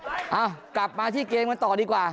เอ้ากลับมาที่เกมกันต่อดีกว่า